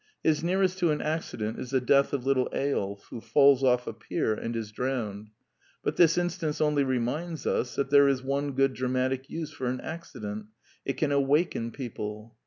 His nearest to an accident is the death of little Eyolf, who falls off a pier and is drowned. But this instance only reminds us that there is one good dramatic use for an accident : it can awaken people.